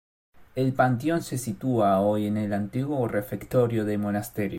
El panteón se sitúa hoy en el antiguo refectorio del monasterio.